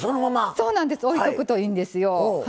そうなんですおいとくといいんですよ。